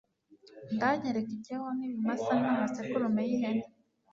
ndangerekeho n'ibimasa n'amasekurume y'ihene